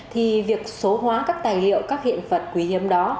thì việc số hóa các tài liệu các hiện vật quý hiếm đó